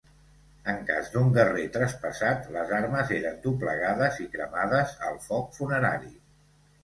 En cas d'un guerrer traspassat, les armes eren doblegades i cremades al foc funerari.